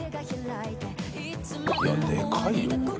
いでかいよこれ。